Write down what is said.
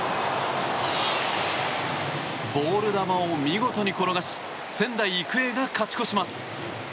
ボール球を見事に転がし仙台育英が勝ち越します。